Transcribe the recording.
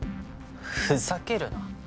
ふざけるな。